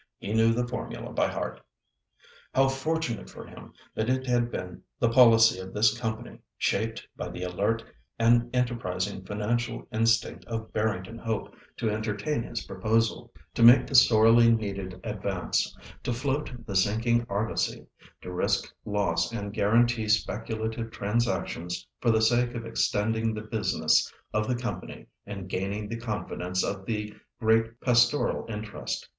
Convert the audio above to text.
He knew the formula by heart. How fortunate for him that it had been the policy of this company, shaped by the alert and enterprising financial instinct of Barrington Hope, to entertain his proposal; to make the sorely needed advance; to float the sinking argosy; to risk loss and guarantee speculative transactions for the sake of extending the business of the company and gaining the confidence of the great pastoral interest.